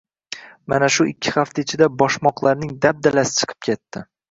Mana shu ikki hafta ichida boshmoqlarning dabdalasi chiqib ketdi